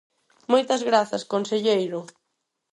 Moitas grazas, conselleiro.